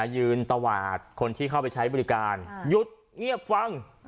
ยืนตวาดคนที่เข้าไปใช้บริการหยุดเงียบฟัง